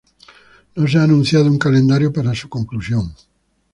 No se ha anunciado un calendario para su conclusión.